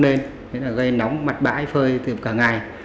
nên gây nóng mặt bãi phơi từ cả ngày